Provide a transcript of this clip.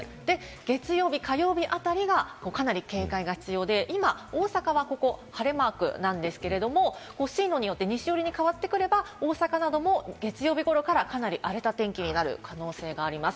月曜日、火曜日あたりがかなり警戒が必要で、今、大阪はここ晴れマークなんですけれども、進路によって西寄りに変わってくれば大阪なども月曜日頃からかなり荒れた天気になる可能性があります。